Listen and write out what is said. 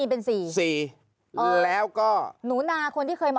ครับครับครับครับ